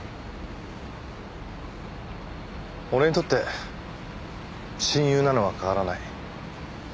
俺にとって親友なのは変わらない。